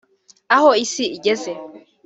Aho isi igeze